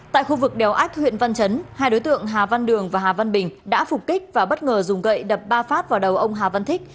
tại khu vực đèo ách huyện văn chấn hai đối tượng hà văn đường và hà văn bình đã phục kích và bất ngờ dùng gậy đập ba phát vào đầu ông hà văn thích